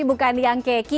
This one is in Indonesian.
bukan yang keki